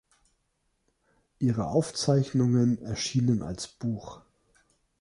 Ihre Aufzeichnungen erschienen als Buch.